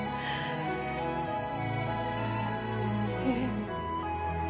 ごめん。